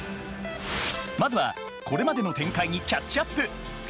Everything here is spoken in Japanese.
まずはこれまでの展開にキャッチアップ！